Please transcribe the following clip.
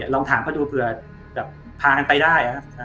ลองถามดูเผื่อพากันท์ไปได้